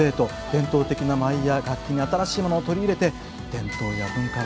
伝統的な舞や楽器に新しいものを取り入れて伝統や文化はどんどん進化します。